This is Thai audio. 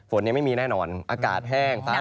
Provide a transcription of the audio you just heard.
ยังไม่มีแน่นอนอากาศแห้งฟ้า